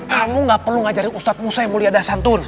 kamu gak perlu ngajarin ustad musa yang mulia dasantun